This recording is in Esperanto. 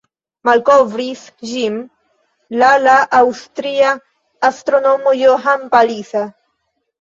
Malkovris ĝin la la aŭstria astronomo Johann Palisa.